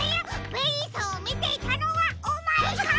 ベリーさんをみていたのはおまえか！